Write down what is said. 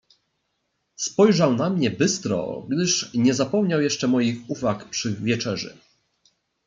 "Spojrzał na mnie bystro, gdyż nie zapomniał jeszcze moich uwag przy wieczerzy."